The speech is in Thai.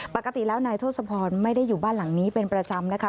ปกติแล้วนายทศพรไม่ได้อยู่บ้านหลังนี้เป็นประจำนะคะ